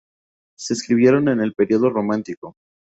Se escribieron en el período romántico.